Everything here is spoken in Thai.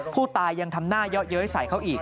ผู้ตายยังทำหน้าเยาะเย้ยใส่เขาอีก